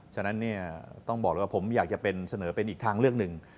ฉะนั้นเนี่ยต้องบอกเลยว่าผมอยากจะเป็นเสนอเป็นอีกทางเลือกหนึ่ง